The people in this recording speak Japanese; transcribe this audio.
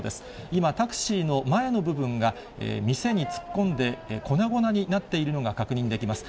今、タクシーの前の部分が、店に突っ込んで粉々になっているのが確認できます。